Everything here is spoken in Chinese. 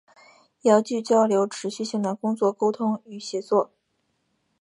遥距交流持续性的工作沟通与协作